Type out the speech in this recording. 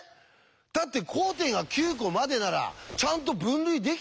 だって交点が９コまでならちゃんと分類できたんでしょ？